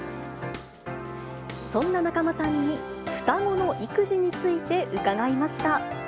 そんな仲間さんに、双子の育児について伺いました。